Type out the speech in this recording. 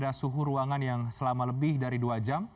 jangan memiliki ruangan yang selama lebih dari dua jam